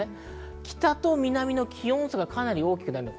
北と南の気温差がかなり大きくなります。